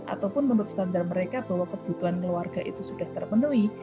ataupun menurut standar mereka bahwa kebutuhan keluarga itu sudah terpenuhi